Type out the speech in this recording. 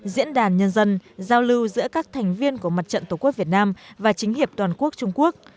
diễn đàn nhân dân giao lưu giữa các thành viên của mặt trận tổ quốc việt nam và chính hiệp toàn quốc trung quốc